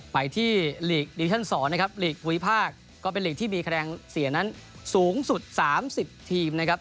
ไปที่ลีกดิชั่น๒นะครับหลีกภูมิภาคก็เป็นหลีกที่มีคะแนนเสียนั้นสูงสุด๓๐ทีมนะครับ